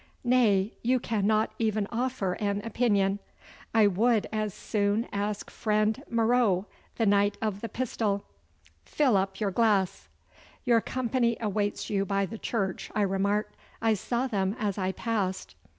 Nay, you cannot even offer an opinion; I would as soon ask friend Marot, the knight of the pistol. Fill up your glass!' 'Your company awaits you by the church,' I remarked; 'I saw them as I passed.